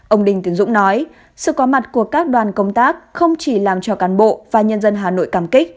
ông đinh tiến dũng nói sự có mặt của các đoàn công tác không chỉ làm cho cán bộ và nhân dân hà nội cảm kích